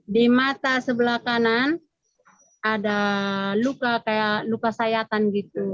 di mata sebelah kanan ada luka kayak luka sayatan gitu